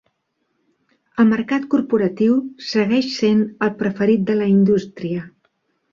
El mercat corporatiu segueix sent el preferit de la indústria.